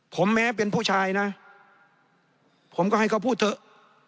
ผมแม้เป็นผู้ชายนะผมก็ให้เขาพูดเถอะ